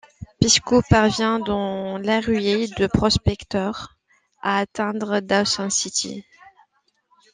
Picsou parvient dans la ruée des prospecteurs à atteindre Dawson City.